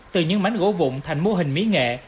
từ những mảnh gỗ vụn thành mô hình mỹ nghệ